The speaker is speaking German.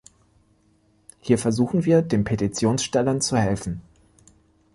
Hier versuchen wir, den Petitionsstellern zu helfen.